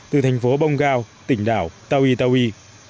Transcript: từ thành phố bongao tỉnh đảo tawi tawi